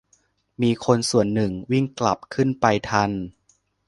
มีคนส่วนหนึ่งวิ่งกลับขึ้นไปทัน